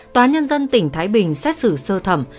tòa nhân dân tỉnh thái bình xét xử sơ thẩm